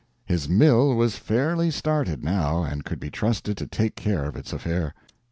His mill was fairly started, now, and could be trusted to take care of its affair.